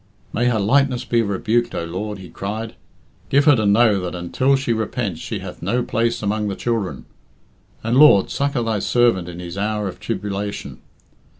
"May her lightness be rebuked, O Lord!" he cried. "Give her to know that until she repents she hath no place among Thy children. And, Lord, succour Thy servant in his hour of tribulation.